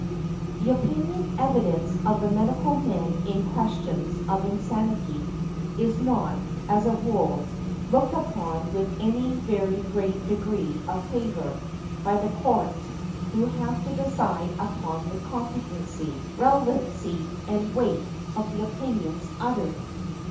The opinion evidence of medical men in questions of insanity is not, as a rule, looked upon with any very great degree of favor by the courts who have to decide upon the competency, relevancy and weight of the opinions uttered.